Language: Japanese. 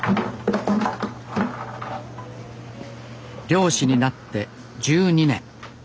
漁師になって１２年。